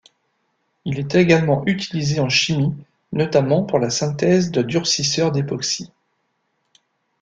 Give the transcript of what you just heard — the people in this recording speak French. Il est également utilisé en chimie, notamment pour la synthèse de durcisseurs d'époxy.